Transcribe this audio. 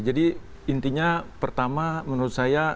jadi intinya pertama menurut saya